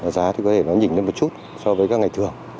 giá thì có thể nó nhỉnh lên một chút so với các ngày thường